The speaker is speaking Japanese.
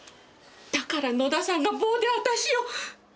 だから野田さんが棒で私を。